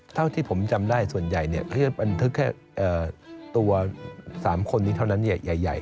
เท่าที่ผมจำได้ส่วนใหญ่เขาจะบันทึกแค่ตัว๓คนนี้เท่านั้นใหญ่